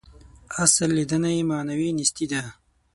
اصل لېدنه یې معنوي نیستي ده.